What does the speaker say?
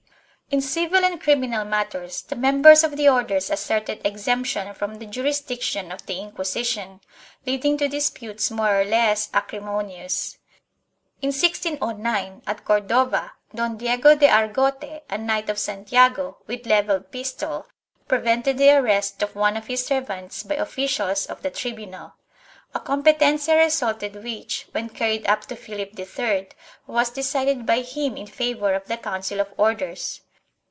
3 In civil and criminal matters the members of the Orders asserted exemption from the jurisdiction of the Inquisition, lead ing to disputes more or less acrimonious. In 1609, at Cordova, Don Diego de Argote, a Knight of Santiago, with levelled pistol, prevented the arrest of one of his servants by officials of the tribunal. A competencia resulted which, when carried up to Philip III, was decided by him in favor of the Council of Orders.